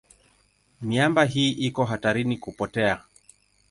Miamba hii iko hatarini kupotea.